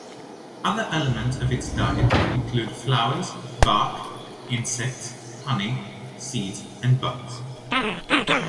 Other elements of its diet include flowers, bark, insects, honey, seeds and buds.